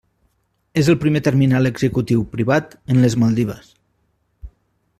És el primer terminal executiu privat en les Maldives.